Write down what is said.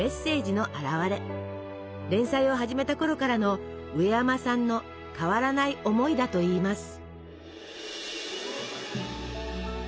連載を始めたころからのうえやまさんの変わらない思いだといいます。